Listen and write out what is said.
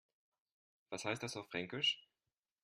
Was heißt das auf Fränkisch?